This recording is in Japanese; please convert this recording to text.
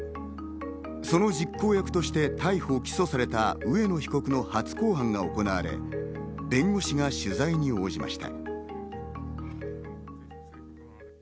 その実行役として逮捕・起訴された上野被告の初公判が行われ、弁護士が取材に応じました。